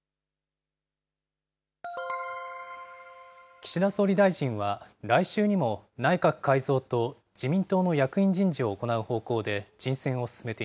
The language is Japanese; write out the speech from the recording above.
岸田総理大臣は、来週にも内閣改造と自民党の役員人事を行う方向で、人選を進めて